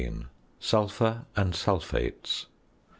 SULPHUR AND SULPHATES.